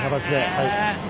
はい。